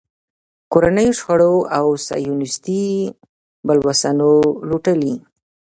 کورنیو شخړو او صیهیونېستي بلوسنو لوټلی.